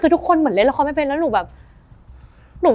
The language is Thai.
ทุกคนเหมือนเล่นละครไม่เป็น